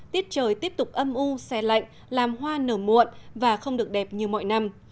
tiết trời tiếp tục âm u xe lạnh làm hoa nở muộn và không được đẹp như mọi năm